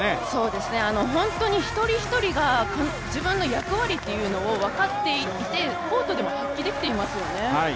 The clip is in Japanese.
本当に一人一人が自分の役割っていうのを分かっていてコートでも発揮できていますよね。